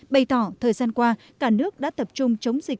bày tỏ thời gian qua cả nước đã tập trung chống dịch